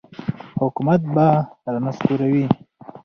حکومت به را نسکوروي.